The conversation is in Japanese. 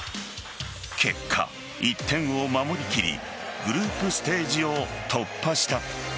結果、１点を守りきりグループステージを突破した。